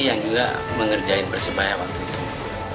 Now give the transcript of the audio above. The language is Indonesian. yang juga mengerjain persebaya waktu itu